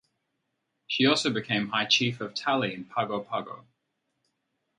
She also became High Chief of Tali in Pago Pago.